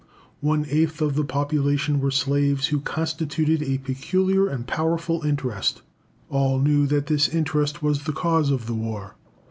One eighth of the population were slaves, who constituted a peculiar and powerful interest. All knew that this interest was the cause of the war.